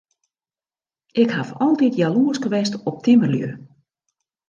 Ik haw altyd jaloersk west op timmerlju.